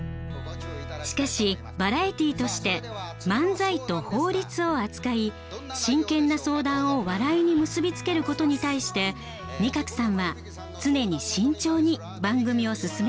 しかしバラエティーとして漫才と法律を扱い真剣な相談を笑いに結び付けることに対して仁鶴さんは常に慎重に番組を進められていました。